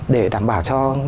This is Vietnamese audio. để đảm bảo cho